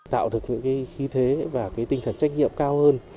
tạo được những khí thế và tinh thần trách nhiệm cao hơn